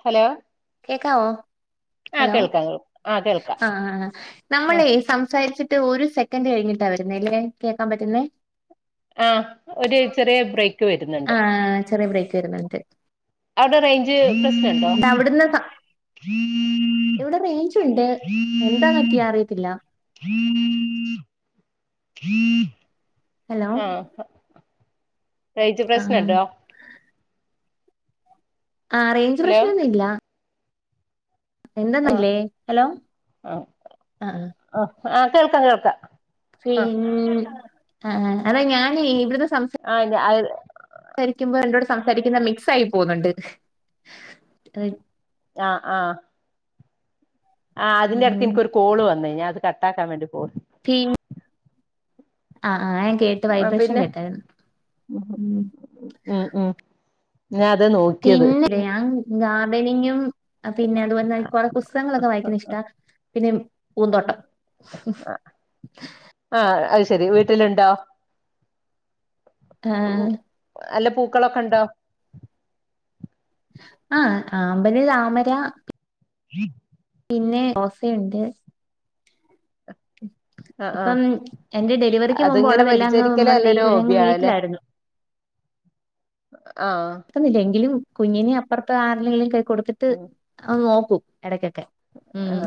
Hello കേക്കാവോ ആ hello കേൾക്കാം ആ കേൾക്കാം ആ നമ്മള ആ സംസാരിച്ചിട്ട് ഇ് ഒരു സെക്കൻഡ് കഴിഞ്ഞിട്ടാ വരുന്നേ അല്ലേ കേൾക്കാൻ പറ്റുന്നേ ആ ഒരു ചെറിയ ബ്രേക്ക് വരുന്നുണ്ട് ആ ചെറിയ ബ്രേക്ക് വരുന്നുണ്ട് അവിടെ റേഞ്ച് പ്രശ്നുണ്ടോ എവിടെ മേഞ്ചുണ്ട് എന്താ കത്തി അറിയത്തില്ല ഹം ഹലോ ആഹ ഹിച്ച ആഹ് പ്രശ്നട്ടോ ആ റേഞ്ച് ഹലോ പ്രശ്നം ഒന്നുമ ഇല്ല ആ എന്തന്നില്ലേ ഹലോ ആഹ ആഹ കേൾക്കാം കേൾക്കാം ആ പിന്ന ആ അതാ ഞാന ഇവിടുന്ന് സംസാ ആ സംസാരിക്കുന്ന മിക്സ് ആയി പോുന്നുണ്ട് ആഹ ആഹ ആഹ അതിന്റെ അടുത്ത് ഉം എനിിക്കക്ക്രു കോള് വന്നേ ഞാ അത് കട്ടാക്കാൻ വേണ്ടി പോയി ീ ആഹ് ആ ഞാൻ കേട്ട് ആ വൈബ്രേഷൻ പിന്നെ കേട്ടായിരുന്നു ഉ ഉം ഉം ഞാൻ അത് നോക്കിയത് പിന്നെ ാൻ ഗാർഡനിങ്ങും പിന്നെ അതുപോലെ കുറെ പുസ്തകങ്ങളൊക്കെ വായിക്കുന്നു ഇഷ്ട പിന്നെ പൂന്തോട്ടം ആഹ ശെരി വീട്ടിലുണ്ടോ ആഹ നല്ല പൂക്കളൊക്കെ ഉണ്ടോ ആഹ് അമ്പന് താമര ഉം പിന്നെ ദോസയുണ്ട് ആഹ ഇപ്പം എന്റെ ആ ഡെലിവറിക്ക് മുമ്പ് അതിങ്ങനെ ഉള്ളതെല്ലാം അങ്ങ് പരിചരിക്കലേ നമ്മുടെ അല്ലരു വെയിൽ അങ്ങ് ഹോബിയ ആണല്ലേ വീട്ടിലായിരുന്നു. അ കക്കുന്നില്ല എങ്കിലും കുഞ്ഞിനെ അപ്പുറത്തെ ആരെല്ലെങ്കിലും കൈ കൊടുത്തിട്ട് നോക്കും ഇടക്കൊക്കെ ആഹ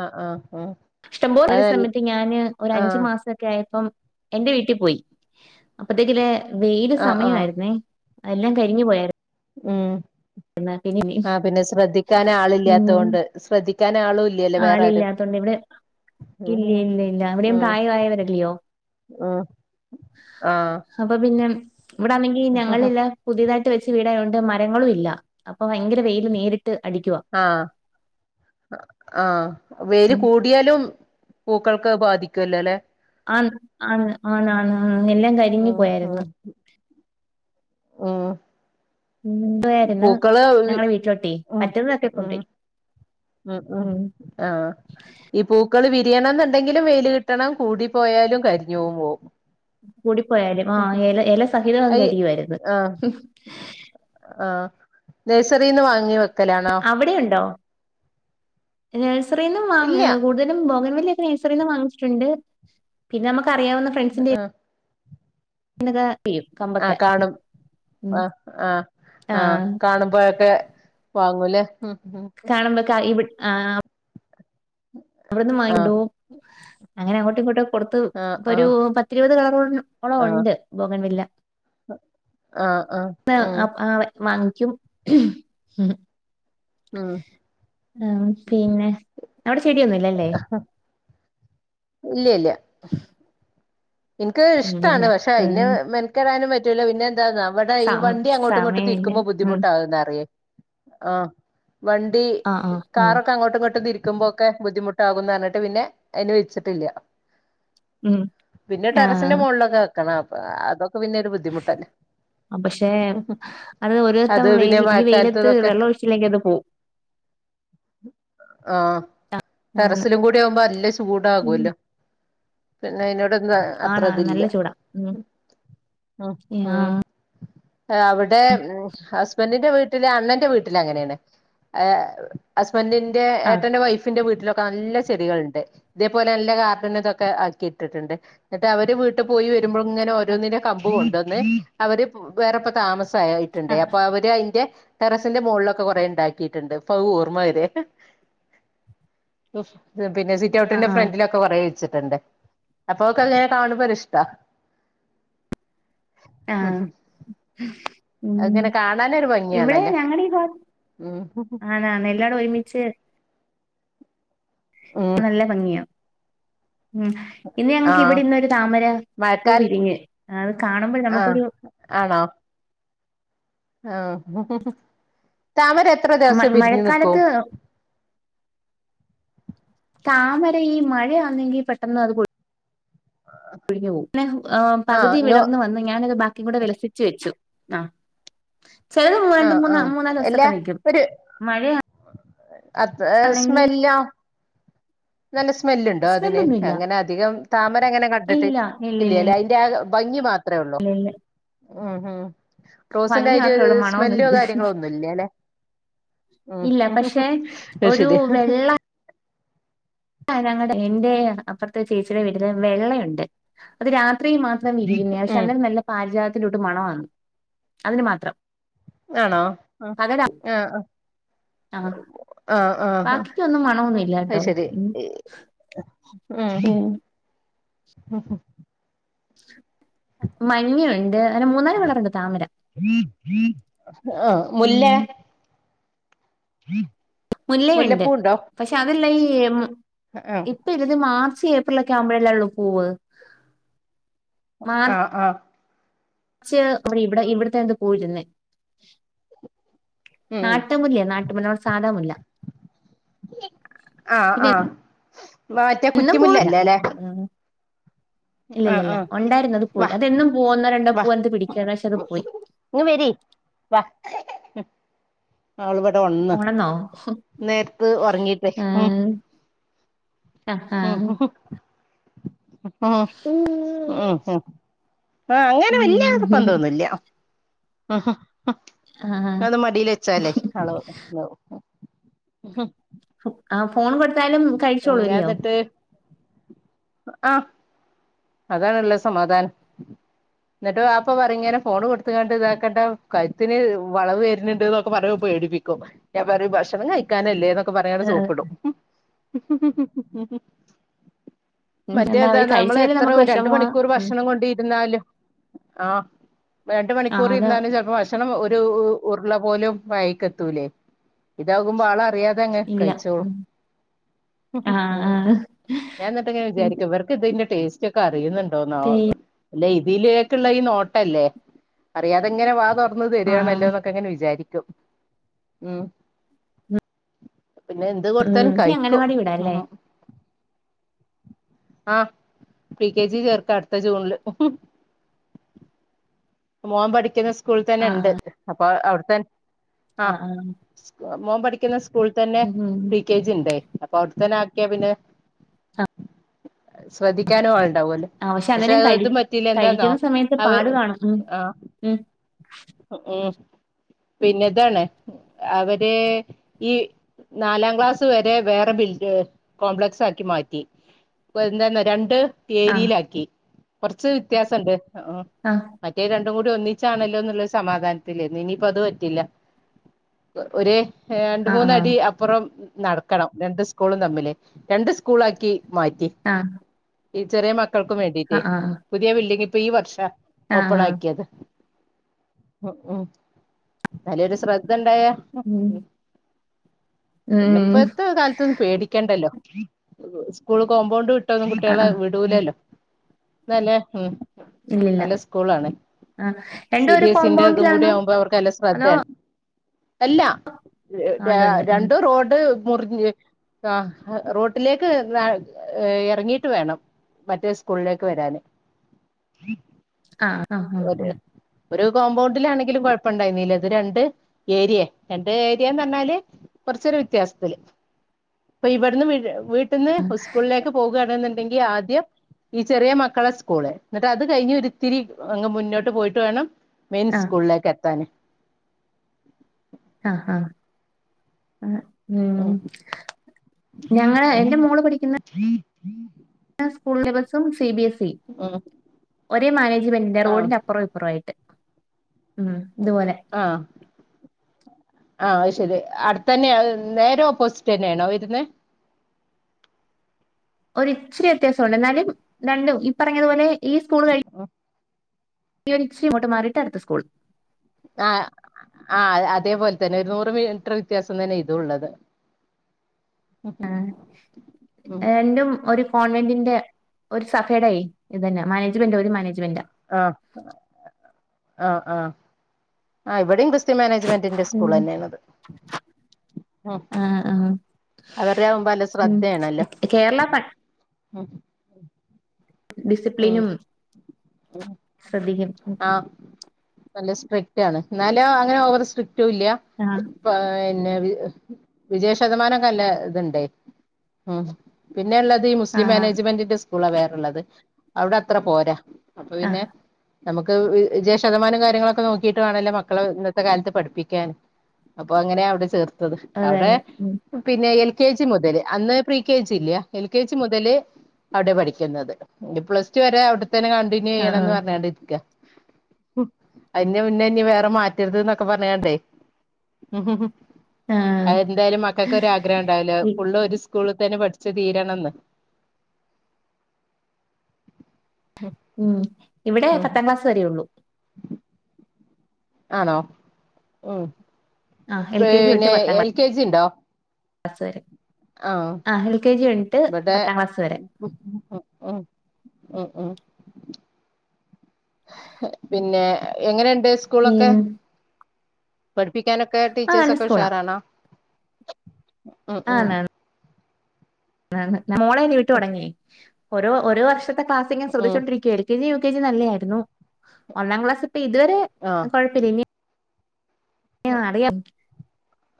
ആഹ ആഹ് ഇഷ്ടംപോല ഒരു അത് സമയത്ത് ഞാന് ഒ അഞ്ചു ആഹ് മാസൊക്കെ ആയപ്പം എന്റെ വീട്ടിൽ പോയി അപ്പത്തേക്ക വെയില ആഹ് ആഹ് സമയയിരുന്നേ എല്ലാം കരിഞ്ഞി പോയ ഉം ആ പിന്നെ ശ്രദ്ധിക്കൻ ആള ഉം ഇല്ലാത്തൊണ്ട് ശ്രദ്ധിക്കൻ ആളും ഇല്ലല്ലേ വേറെരുും ആളില്ലാത്തോണ്ട് ഇവിടെ ഇല്ല ഇല്ല ഇല്ല അവിടെയും പ്രായവായ വരല്ലയോ ആഹ അപ്പൊ പിന്നെ ഇവിടൊണെങ്കി ഞങ്ങളല്ലാം പുതിയതായിട്ട് വ വീടണ്ട് മരങ്ങളും ഇല്ല അപ്പൊ ഭയങ്കര വെൽ നേരിട്ട് അടിക്കുവാ ആഹ ആഹ വേര് കൂടിയാലും പുക്കൾക്ക് ബാധിക്കല്ലോ അല്ലെ ആ ആണ് ആന ആണ് ആ എല്ലാം കരിഞ്ഞി പോയായിരുന്നു ആഹ മുമ്പായിരുന്നു ഞങ്ങളടെ വീട്ടിലോട്ട് ഉം പറ്റുന്നതൊക്കെ ഉം കൊണ്ടും ഉം ഉം ആ് ഈ പൂ പൂക്കൾ വിരിയണം എന്നുണ്ടെങ്കിലും വെയിൽ കിട്ടണം കൂടിപ്പോയാലും കരിഞ്ഞവും പോകവും കൂടിപ്പോയാലും ആഹ ഇല ഇല സഹിതങ്ങളും അത് കരിയമായിരുന്നു നേസരീന്ന് വാങ്ങിിവ അവിടെുണ്ടോ നഴ്സറിൽ നിന്നും ഇല്ല വാങ്ങ കൂടുതലും ബോഗൻ വലിയ നഴ്സറിൽന്ന് വാങ്ങിച്ചിട്ടുണ്ട് പിന്നെ നമുക്ക അറിയാവുന്ന ഫ്രണ്ട്സിന്റെ ആഹ് എന്നക്യും കമ്പക്ക ആഹ് കാണും ആഹ് ആഹ് ആഹ കാണുമ്പോഴൊക്കെ വാങ്ങൂല്ലേ ഉ കാണുമ്പോക്ക ഇവി ആ അവിടെന്ന് വങ്ങണ്ട ആഹ് അങ്ങനെ അങ്ങോട്ടും ഇങ്ങോട്ടും കൊടുത്ത് ആഹ് ഇപ്പൊ ഒരു പത്തിരുപത് കളറളം ഉണ്ട് ബോഗൻ വില്ല ആഹ ആ വാങ്ങിക്കും ആഹ ആ പിന്നെ അവിടെ ചെടിയൊന്നും ഇല്ലല്ലേ ഇല്ല ഇല്യ എനിക്ക് ഇല്ലില്ല ഇഷ്ടമാണ് പക്ഷെ അയിന് ഉം, മെനക്കെടാനും പറ്റൂല പിന്നെ എന്താന്ന നമ്മടെ ഈ സമ വണ്ടി അങ്ങോട്ടും ഇങ്ങോട്ടും സമയമില്ല തിരിക്കുമ്പോ ഉം ബുദ്ധിമുട്ടാകും നിറിയേ ആ വണ്ടി ആ ആ ആ കാറൊക്കെ അങ്ങോട്ടും ഇങ്ങോട്ടും തിരിക്ക വെക്കുമ്പോക്കെ ബുദ്ധിമുട്ടാകുന്നുപറഞ്ഞിട്ട് പിന്നെ അയിന് വെച്ചിട്ടില്ല ഉം പിന്നെ ആ ടെറസിന്റെ മുകളിലൊന്ന് വെക്കണം അപ്പൊ അതൊക്കെ പിന്നെ ഒരു ബുദ്ധിമുട്ടല്ലേ ബക്ഷെ അത് ഒരു ദത്തം വെൽ ഈ വെയിലത്ത് വെള്ളം ഒഴിച്ചില്ലെങ്കിൽ അത് പോവും ഉ [unintelligible] ആഹ ആണ് ടെറസിലുംകൂടി ആകുമ്പോ അല്യ ഉം, ചൂടാകുല്ലോ പിന്നെ അതിനോ തന്ന് ആണാണ് അത്രത് ല്ല നല്ല ചൂടാ ഉം ഹ് ആ അവിടെ ഹസ്ബന്റിന്റെ വീട്ടില് അണ്ണന്റെ വീട്ടില് അങ്ങനെണ് ഹസ് ഹസ്ബന്റിന്റെ ആ ഏട്ടന്റെ വൈഫിന്റെ വീട്ട്ലൊ നല്ല ചെടികള്ണ്ട് ഇതേ പോലെ നല്ല കാർഡന് ഇതോക്കെ ആക്കിട്ടിട്ടുണ്ട് എന്നിട്ട് അവര് വീട്ട് പോയി വരുമ്പോഴിങ്ങനെ ഓരോന്നിന്റെ കമ്പു കൊണ്ടന്ന് അവര് വേറെ പ്പോ താമസ് ആ യിട്ട്ണ്ടേ അപ്പൊ അവര് അയ്ന്റെ ടെറസിന്റെ മോൾലൊക്കെ കുറേ ഇണ്ടാക്കിട്ട്ണ്ട് ഇപ്പഹ് ഓർമ്മ വെരേ സിറ്റ് ആ ഔട്ടിന്റെ ആ ഫ്രണ്ടിലൊക്കെ കൊറേ വെച്ചിട്ട്ണ്ട് അപ്പൊ അഹ് കാണുമ്പോ ഒരിഷ്ടാ ആഹ് ഉം അങ്ങനെ കാണാനൊരു ഇവിടെ ഭംഗിയാണല്ലോ ഞങ്ങളീ ഭാഗ ഉം ആണ് നെല്ലാടോം ഒരുമിച്ച് ഉം നല്ല ഭംഗിയാ ഉം ഇന്ന് ഞങ്ങക്ക് ആഹ് ഇവിടിന്നോരു താമര മഴക്കാല പൂവിരിഞ്ഞ് അത് കാണുമ്പോ ആഹ് നമുക്കൊരു ആണോ ആഹ് താമര എത്ര മ ദിവസം വിരിഞ്ഞു നിക്കും മഴക്കാലത്ത് താമര ഈ മഴന്നെങ്കിൽ പെട്ടെന്ന് അത് കൊഴി കൊഴിഞ്ഞു പോവും പിന്നെ ആഹ് പകുതി നോ വിടർന്ന് വന്ന് ഞാനത് ബാ ക്കി കൂടെ വിളസിച്ചു വെച്ചു ആഹ് ചിലത് മൂ രണ്ട് ആഹ് മൂന്ന ആഹ് മൂന്നാല് അല്ല ദിവസൊക്കെ നീക്കും ഒരു മഴയാ അത് സ്മെല്ലോ നല്ല സ്മെ സ്മെല്ലുണ്ടോ അതിന് സ്മെല്ലൊന്നും ഇല്ല അങ്ങനെ അധികം താമരങ്ങനെ കണ്ടിട്ട് ഇല്ല ഇല്ല ഇല്ല ഇല്ലല്യ ഇല്ല അയിന്റെ ഭംഗി മാ ത്ര ഒള്ളോ ഉമ് ഉമ് റോസിന്റെ ഭംഗി ആയിരി മാത്രേ രു ഉള്ളൂ സ് മണൊന്നും സ്മെല്ലോ ഇല്ല കാര്യങ്ങളോ ഒന്നുല്ല ല്ലെ ഉമ് ഇല്ല പക്ഷെ അയ് ഒരു ശരി ഞങ്ങളടെ എന്റെ അപ്പുറത്തെ ചേച്ചിയുടെ വീട്ടില് വെള്ളണ്ട് അത് രാ ത്രി മാത്രം വിരിയുന്നെയാ പക്ഷെ ഉം അന്നെരം നല്ല പാരിചാതത്തിന്റെ കൂട്ട് മണവാ അതിന് മാത്രം ആണോ ആഹ് പകലാ ആഹ് ആഹ് ആ ആഹ് ആഹ് ആഹ് ബാക്കിക്കൊന്നും മണമൊന്നുമില്ല അയി കേട്ടോ ശെരി ഉം ഉമ് ഉം മഞ്ഞു യുണ്ട് മൂന്നാല് കളറുണ്ട് താമര ആഹ് മുല്ല മ് മുല്ലയുണ്ട് മുല്ലപ്പൂ ഉണ്ടോ പക്ഷെ അതില്ല ഈ ആഹ് ഇപ്പ ഇതിൽ മാ ച്ച് ഏപ്രിലൊക്കെ ആവുമ്പോഴല്ലേ ഉള്ളൂ പൂവ് ആഹ് ആഹ് ച്ച് വി ഇവിടെ ഇവിടത്തെന്ത് പൂയിരുന്ന് ഉം നാട്ടുമുല്ലേ നാട്ടുമുല്ല നമ്മടെ സാധാ മുല്ല ആഹ് പിന്നെ ആഹ് വാറ്റ എന്നും കുറ്റിമുല്ല അല്ലലെ ഇല്ല ഇല്ല ഇല്ല ഉണ്ടായിരുന്നു അത് പോയി വാ അതെന്നും പൂവോ ഒന്നോ രണ്ടോ പൂവ് എന്ത് പിടിക്കണ പക്ഷ അത്പോയി ഇങ് വരി വ ഉം ആള് ഇവിടെ ഒൺന്ന്. ഓണെന്നോ നേര്ത്ത് ഉറങ്ങീട്ടേ ഉം. ആഹ് ആഹ് ആഹ് [unintelligible] [unintelligible] ആഹ് അങ്ങനെ വല്യ ഉം [unintelligible] ആഹ് അത് മടീല് വെച്ചാലേ ആള് താവും. ആഹ് ഫോൺ കൊടുത്താലും ഞാൻ കഴിച്ചോളുല്ലയോ എന്നിട്ട് ആഹ് അതാണല്ലോ സമാധാനം. എന്നിട്ട് വാപ്പ പറിങ്ങനെ ഫോൺ കൊടുത്താണ്ട് ഇതാക്കണ്ട കഴുത്തിന് വളവ് വര്ന്ണ്ട് ക്കെ പറഞ്ഞപ്പൊ പേടി. പേടിപ്പിക്കും ഞാൻ പറ ഭക്ഷണം കഴിക്കാനല്ലേ പറയാതെ ഏഹ് സോപ്പിടും മറ്റേ എന്താ അവര് നമ്മളെ കഴിച്ചില്ലെങ്കിൽ എത്ര നമുക്ക് രണ്ട് വിഷമമാ മണിക്കൂർ ഉം ഭക്ഷണം കൊണ്ട് ഇരുന്നാലും ആ രണ്ട് ആ മണിക്കൂർ അതാ ഇരുന്നാലും ചെല്പ്പോ ഭക്ഷണം ഒരു ഉര്ള പോലും വായിക്കത്തൂലേ ഇതാകുമ്പോ ആളറിയാ തങ്ങ ഇല്ല കഴിച്ചോളും ഉം ആഹ് ആഹ് ഞാൻ ന്ന് ട്ട് ഇങ്ങനെ വിചാരിക്കും ഇവർക്ക് ഇതിന്റെ ടേസ്റ്റ് ഒക്കെ അറിയുന്നുണ്ടോന്നോ പി ആവോ അല്ല ഇതിലേക്കുള്ള ഈ നോട്ടല്ലേ അറിയാതെങ്ങനെ വാ തുറന്നത് തരിയാണല്ലോ ആഹ് ന്നൊക്കെ അങ്ങനെ വിചാരി ക്കും മ് പിന്നെ എന്ത് കൊട്ത്താലും കഴിക്കും അംഗനവാടി വിടാല്ലേ ആ പ്രി കെ ജി ചേർക്ക അടുത്ത ജൂണില് മോൻ പഠിക്ക്ന്ന സ്കൂളി തന്നെ ണ്ട് അപ്പോ അവ്ടെത്ത ആ ആഹ് ആഹ് സ്‌ മോൻ പഠിക്ക്ന്ന സ്കൂള തന്നെ ഉം ഉം പ്രീകെജി ണ്ട് അപ്പൊ അവ്ട് തന്നെ ആക്കിയാ പിന്നെ ശ്രദ്ധിക്കാനും ആളുണ്ടാവോല്ലോ ആഹ് പക്ഷെ അന്നേരം കഴി തും പറ്റില്ല എന്താന്നോ കഴിക്കുന്ന സമയത്ത് അവ പാട് കാണും ഉം ആ ഉം ഉം പിന്നെതാണ് അവരെ ഈ നാലാം ക്ലാസ് വരെ വേറെ ബിൽഡി കോംപ്ലക്സ് ആക്കി മാറ്റി [unintelligible] തന്നെ രണ്ട് ആഹ് ഏരിയിലാക്കി കൊറച്ച് വ്യത്യാസണ്ട് ആഹ് മ് മറ്റേ രണ്ടും കൂടി ഒന്നിച്ചാണല്ലോ എന്നുള്ളൊരു സമാധാനത്തിലേനി ഇനിയിപ്പോ അത് പറ്റില്ല ഒരേ രണ്ട് ആഹ് മൂന്നടി ആഹ് അപ്പുറം നടക്കണം രണ്ട് സ്കൂളും തമ്മില് രണ്ട് സ്കൂളാക്കി മാറ്റി ആഹ് ഈ ചെറിയ മക്കൾക്കും വേണ്ടിട്ടേ ആഹ് പുതിയ ബിൽഡിംഗ് ഇപ്പൊ ഈ വർഷ ആഹ് ഓപ്പൺ ആഹ് ആക്കിയത് ഉം ഉം ന്നാലൊരു ശ്ര ദ്ധണ്ടായ ഉം പിന്നെ ഉം പ്പത്തെ കാലത്തൊന്നും പേടിക്കണ്ടല്ലോ സ്കൂള് കോമ്പൗണ്ട് വിട്ടോന്നും ആഹ് കുട്ടികളെ ആഹ് ഉം വിടൂലല്ലോ എന്നല്ലേ ഉം ഇല്ലില്ല നല്ല സ്കൂള ആണ് ആഹ് രണ്ടും സി ഒരു ബി എസ്ഇന്റെതും കൂടി കോമ്പൗണ്ടിലാണോ ആവുമ്പോ അവർക്ക് നല്ല അതോ ശ്രദ്ധേണ് അല്ല ആഹ് ര ഉണ്ടുണ്ട് ഉം രണ്ട് റോഡ് മുറിഞ്ഞ് ആ റോട്ടിലേക്ക് ഏ ഇറങ്ങിയിട്ട് വേണം മറ്റേ സ്കൂളിലേക്ക് വരാന് ആ അ അ ആ ഒരു ഒരു കോമ്പൗണ്ടിലാണെങ്കിലും കുഴപ്പ ണ്ടായിന്നീല്ല ഇത് രണ്ട് ഏരിയ രണ്ട് ഏരിയാന്ന് പറഞ്ഞാല് കുറച്ചൊരു വ്യത്യാസത്തില് പ്പൊ ഇവിടുന്ന് വീട്ട്ന്ന് സ്കൂളിലേക്ക് പോകുആണ്ന്ന് ണ്ടെന്കില് ആദ്യം ഈ ചെറിയ മക്കളെ സ്കൂള് ന്ന്ട്ട് അത് കഴിഞ്ഞരു ത്തിരി അങ്ങ് മുന്നോട്ട് പോയിട്ട് വേണം മെയിൻ ആഹ് സ്കൂളിലേക്ക് എത്താന് ആ അ ആ മ് ഉം ഞങ്ങള് എന്റെ മോള് പഠിക്ക്ന്ന ഉം. സ്കൂൾ ബസും സി ബി എസ് ഇ ഒരേ മാനേജ്മെന്റിന്റെ ആഹ് റോഡിന്റെ അപ്പറോപ്പിറോ ആയിട്ട്.. ഉം ഇതുപോലെ. ആ അത് ശരി അട്ത്തന്നെയാ നേരെ ഓപ്പോസിറ്റ് തന്നെയാണോ വരുന്നെ. [inaudible] ഒരിച്ചിരി വ്യത്യാസവുണ്ട് എന്നാലും രണ്ടും ഈ പറഞ്ഞതുപോലെ ഈ. അ ഒരിച്ചിരി ഇങ്ങോട്ട് മാറിട്ട് അടുത്ത സ്കൂൾ. ആ ആ അതേപോലെ തന്നെ ഒരു നൂറ് മീറ്റർ വ്യത്യാസം തന്നെ ഇതുള്ളത്. മ് രണ്ടും ഒരു കോൺവെന്റിന്റെ ഒരു സഫേയുടൊയി ഇത് തന്നെ മാനേജ്മെന്റ് ഒരു മാനേജ്മെന്റ്.. ആ.. ആആ.. ആ ഇവിടെയും... മാനേജ്മെന്റിന്റെ സ്കൂൾ ഉം തന്നെയാണത്.. ഉ ആഹ് ആഹ് അവരുടെയാകുമ്പോല്ല ഉം ശ്രദ്ധയാണല്ലോ.. കേരള പ ആ. ഡിസിപ്ലിനും.. ഉം ശ്രദ്ധിക്കും.. ആഹ് നല്ല സ്ട്രിക്ട് ആണ് എന്നാലും അങ്ങനെ ഓവർ സ്ട്രിക്റ്റും ഇല്ല.. ആഹ് പിന്നെ വിജയ ശതമാനം കല്ല ഇതുണ്ടേ മ്.. പി.. പിന്നെ ഉള്ളത് ഈ മുസ്ലിം ആഹ് മാനേജ്മെന്റിന്റെ സ്കൂളാ വേറെള്ളത് അവിടെ അത്ര പോരാ.. അപ്പൊ ആഹ് പിന്നെ.. നമുക്ക്ജയ ശതമാനം കാര്യങ്ങളൊക്കെ നോക്കിട്ട് വേണല്ലേ മക്കളെ ഇന്നത്തെ കാലത്ത് പഠിപ്പിക്കാൻ.. അപ്പൊ അങ്ങനെയ അവിടെ ചേർത്തത് അവിടെ അതന്നെ ഉം പിന്നെ.. കെ ജി മുതലേ അന്ന് പ്രി കെ ജി ഇല്ലയ എൽ കെ ജി മുതലേ.. അവിടെ പഠിക്കുന്നത് പ്ലസ് ടു വരെ അവിടെത്തന്നെ കണ്ടിന്യൂ ചെയ്യണം ആഹ് എന്ന് ആഹ് പറഞ്ഞണ്ട്.. അന്റെ മുന്നേ ഇനി വേറെ മാറ്റരുത് എന്നൊക്കെ പറയണ്ടേ.. ഉ അ ആഹ് എന്തായാലും മക്കൾക്കൊരു ആഗ്രഹം ഉണ്ടാവില്ല ഇ ഫുള് ഒരു. സ്കൂളിൽ തന്നെ പഠിച്ചു തീരണംന്ന്.. ഉം ഇവിടെ ഉം പത്താം ക്ലാസ് വരേയുള്ളൂ.. ആണോ ഉ ആഹ് പി പിന്നെ എൽ കെ ജി ഉണ്ടോ.. പ ആ എൽ കെ ജി... ട്ടെ പത്താം ക്ലാസ് വരെ ഉ ഉ ഉ [unintelligible] പിന്നെ എങ്ങനെണ്ട് സ്കൂളൊക്കെ.. ഉം പഠിപ്പിക്കാനൊക്കെ ആഹ് നല്ല ടീച്ചേഴ്സൊക്കെ സ്കൂളാ ഉഷാറാണാ.. [unintelligible] [unintelligible] ൽ ഉം കെ ജി നല്ലത് ആരുന്നു.. ഒന്നാം ക്ലാസിപ്പോ ഇതുവരെ ആഹ് കുഴപ്പമില്ല.. ഇനിപ്പോ അറിയ,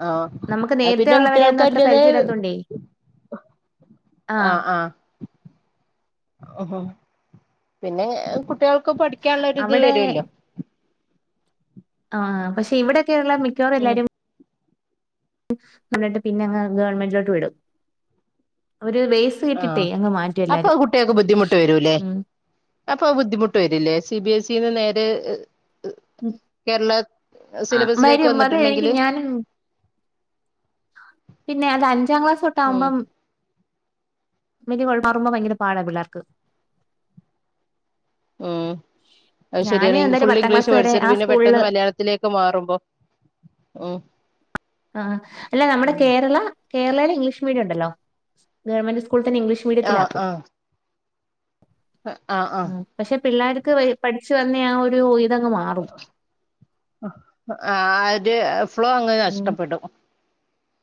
ആഹ പിന്നെ കുട്ടികൾക്ക് ഒന്നും അത്ര അതിന്റേതായ.. പരിചയമില്ലാത്തോണ്ടേ ആ.. ആഹ് ആ.. ഉ പിന്നെ കുട്ടികൾക്ക് പഠിക്കാനുള്ളരിത് അവിടെ വരുല്ലോ. ആഹ പക്ഷെ ഇവിടെക്കെയുള്ള മിക്കവാർ ഉം എല്ലാരും.. കണ്ടിട്ട് പിന്നെങ്ങ് ഗവണ്മെന്റിലോട്ട് വിടും.. ഒരു ബേസ് ആഹ് കിട്ടിട്ടേ അങ്ങ് മാറ്റും അപ്പൊ എല്ലാരും.. കുട്ടികൾക്ക് ബുദ്ധിമുട്ട് വരൂല്ലേ അപ്പൊ ബുദ്ധിമുട്ട് വരില്ലേ സി ബി എസി ന്ന് നേരെ.. കേരള ആ സിലബസിലേക്ക് വരും.. അതെ എനിക്ക് വന്നിട്ടുണ്ടെങ്കില് ഞാനും.. പിന്നെ അത് അഞ്ചാം ക്ലാസ് തൊട്ട് ഉം ആകുമ്പം.. വല കുഴപ്പറുമ ഭയങ്കര പാടാ പിള്ളേർക്ക് [inaudible] മ്.. ഞാന് ശരിയാണ് ൻ എന്തായാലും ഫുൾ പത്താം ക്ലാസ് ഇംഗ്ലീഷ് വരെ പഠിച്ചിട്ട് ആ പിന്നെ പെട്ടന്ന് സ്കൂളില് മലയാളത്തിലേക്ക് മാറുമ്പോ.. ഓ ആ അല്ല നമ്മുടെ കേരള കേരളൽ ഇംഗ്ലീഷ് മീഡിയം ഉണ്ടല്ലോ ഗവൺമെന്റ് ഇപ്പോൾ തന്ന ഇംഗ്ലീഷ് ആഹ് മീഡത്തിലാക്കും ആഹ് ആഹ് ആ ആഹ് പക്ഷെ പിള്ളേർക്ക് പഠിച്ചു വന്ന ആ ഒരു- ഇതങ്ങ് മാറും ആ അത് ഫ്ലോ അങ്ങ് ഉം നഷ്ടപ്പെടും.